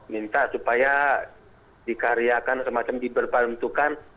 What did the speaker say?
minta supaya dikaryakan semacam diberbantukan